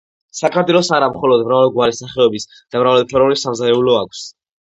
საქართველოს არა მხოლოდ მრავალგვარი სახეობის და მრავალფეროვანი სამზარეულო აქვს,